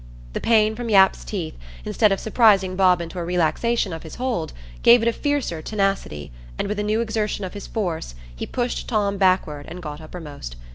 The pain from Yap's teeth, instead of surprising Bob into a relaxation of his hold, gave it a fiercer tenacity, and with a new exertion of his force he pushed Tom backward and got uppermost.